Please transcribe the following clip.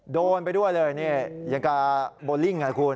โดนไปด้วยเลยนี่ยังกับโบลิ่งอ่ะคุณ